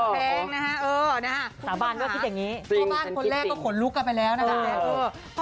พ่อบ้านคนแรกก็ขนลูกกันไปแล้วนะครับ